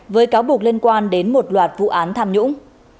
với cáo buộc liên quan đến một loạt vụ án tham nhũng